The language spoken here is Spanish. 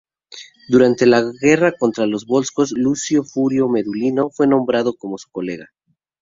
Durante la guerra contra los volscos, Lucio Furio Medulino fue nombrado como su colega.